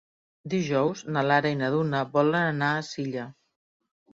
Dijous na Lara i na Duna volen anar a Silla.